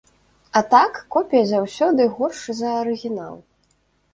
А так, копія заўсёды горш за арыгінал.